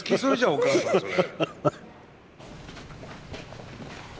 お母さんそれ。